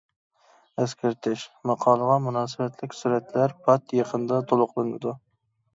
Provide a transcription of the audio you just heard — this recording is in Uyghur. ئەسكەرتىش: ماقالىغا مۇناسىۋەتلىك سۈرەتلەر پات يېقىندا تولۇقلىنىدۇ.